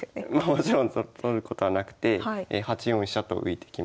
もちろん取ることはなくて８四飛車と浮いてきました。